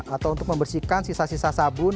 atau untuk membersihkan sisa sisa sabun